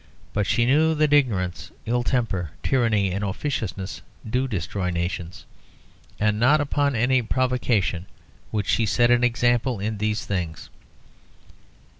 But she knew that ignorance, ill temper, tyranny, and officiousness do destroy nations, and not upon any provocation would she set an example in these things.